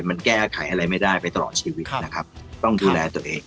มันแก้ไขอะไรไม่ได้ไปตลอดชีวิตนะครับต้องดูแลตัวเอง